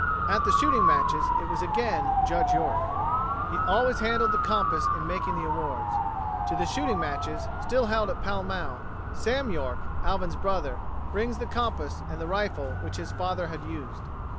At the shooting matches it was again "Judge" York. He always handled the compass in making the awards. To the shooting matches, still held at Pall Mall, Sam York, Alvin's brother, brings the compass and the rifle which his father had used.